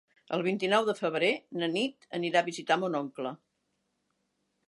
El vint-i-nou de febrer na Nit anirà a visitar mon oncle.